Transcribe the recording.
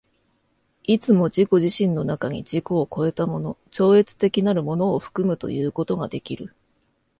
いつも自己自身の中に自己を越えたもの、超越的なるものを含むということができる。